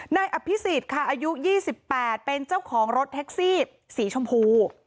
นายอภิษฎค่ะอายุ๒๘เป็นเจ้าของรถแท็กซี่สีชมพู